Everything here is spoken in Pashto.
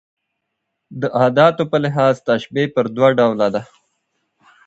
د اداتو په لحاظ تشبېه پر دوه ډوله ده.